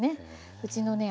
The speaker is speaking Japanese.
うちのね